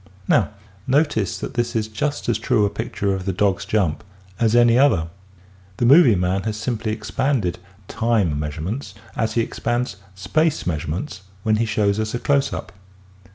Now notice that this is just as true a picture of the dog's jump as any other. The movie man has simply expanded time measure ments as he expands space measurements when he shows us a close up.